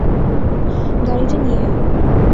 গাড়িটা নিয়ে আয়।